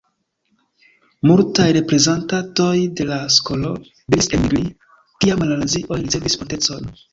Multaj reprezentantoj de la skolo devis elmigri, kiam la nazioj ricevis potencon.